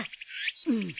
うん。